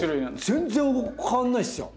全然変わんないっすよ。